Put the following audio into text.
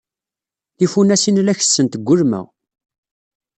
Tifunasin la kessent deg welma.